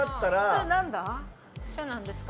それなんですか？